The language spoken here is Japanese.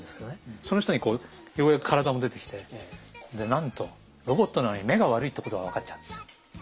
その下にようやく体も出てきてでなんとロボットなのに目が悪いってことが分かっちゃうんですよ。